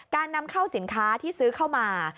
การนำเข้าสินค้าที่ซื้อเข้ามา